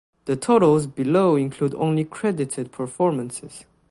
The totals below include only credited performances.